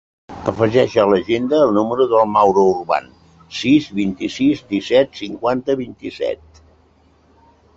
Afegeix a l'agenda el número del Mauro Urban: sis, vint-i-sis, disset, cinquanta, vint-i-set.